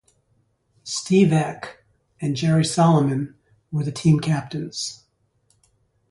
Steve Eck and Gerry Solomon were the team captains.